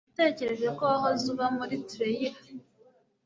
Natekereje ko wahoze uba muri trailer.